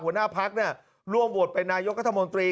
หัวหน้าภักษ์เนี่ยร่วมโหวดเป็นนายกกฎมตรี